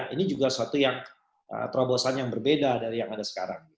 ini juga suatu yang terobosan yang berbeda dari yang ada sekarang